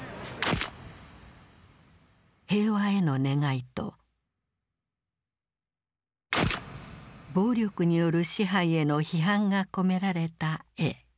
平和への願いと暴力による支配への批判が込められた絵。